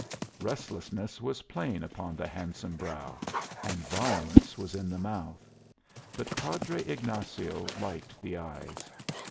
Restlessness was plain upon the handsome brow, and violence was in the mouth; but Padre Ignacio liked the eyes.